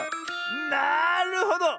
なるほど！